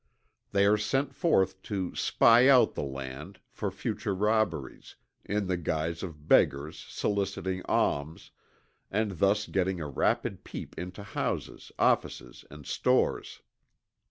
They are sent forth to "spy out the land" for future robberies, in the guise of beggars soliciting alms, and thus getting a rapid peep into houses, offices, and stores.